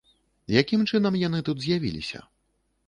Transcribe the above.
Якім чынам яны тут з'явіліся?